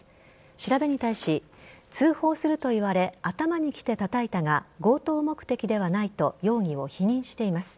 調べに対し、通報すると言われ頭にきてたたいたが強盗目的ではないと容疑を否認しています。